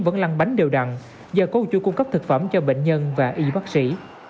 vẫn lăn bánh đều đặn do cấu truy cung cấp thực phẩm cho bệnh nhân và y bác sĩ